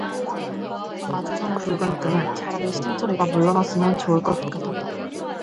마주선 붉은 끈은 차라리 신철이가 물러났으면 좋을 것 같았다.